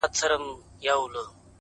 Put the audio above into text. • لکه توپان په مخه کړې مرغۍ ,